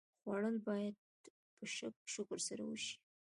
خوړل باید په شکر سره وشي